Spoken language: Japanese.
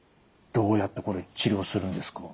どうやってこれ治療するんですか？